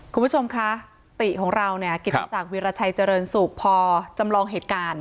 คุณผู้ชมคะติของเราเนี่ยกิติศักดิราชัยเจริญสุขพอจำลองเหตุการณ์